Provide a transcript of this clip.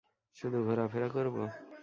শুধু ঘোরাফেরা করব।